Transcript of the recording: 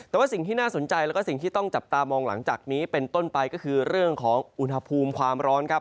แต่ว่าสิ่งที่น่าสนใจแล้วก็สิ่งที่ต้องจับตามองหลังจากนี้เป็นต้นไปก็คือเรื่องของอุณหภูมิความร้อนครับ